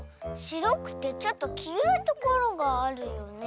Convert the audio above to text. しろくてちょっときいろいところがあるよね。